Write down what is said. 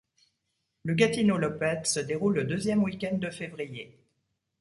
La Gatineau Loppet se déroule le deuxième weekend de février.